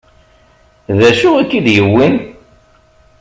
D acu i k-id-yewwin?